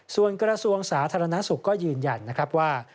ส่วนกระทรวงสาธารณสุขก็ยืนยันนะครับว่า